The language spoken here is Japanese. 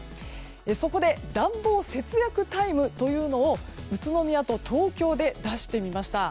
そこで暖房節約タイムというのを宇都宮と東京で出してみました。